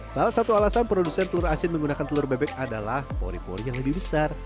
salah satu alasan produsen telur asin menggunakan telur bebek adalah pori pori yang lebih besar